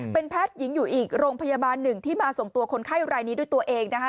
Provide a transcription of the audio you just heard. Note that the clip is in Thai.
เป็นแพทย์หญิงอยู่อีกโรงพยาบาลหนึ่งที่มาส่งตัวคนไข้รายนี้ด้วยตัวเองนะคะ